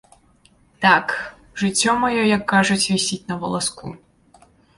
Так, жыццё маё, як кажуць, вісіць на валаску.